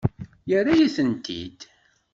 Yerra-yi-tent-id.